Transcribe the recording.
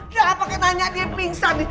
jangan pake tanya dia pingsan nih